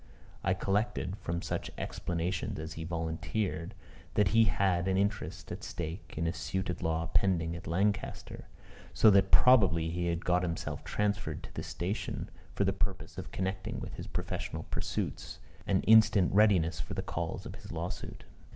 I collected, from such explanations as he volunteered, that he had an interest at stake in a suit at law pending at Lancaster; so that probably he had got himself transferred to this station, for the purpose of connecting with his professional pursuits an instant readiness for the calls of his lawsuit.